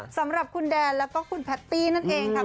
สำหรับคุณแดนแล้วก็คุณแพตตี้นั่นเองค่ะ